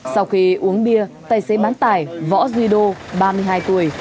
sau khi uống bia tài xế bán tải võ duy đô ba mươi hai tuổi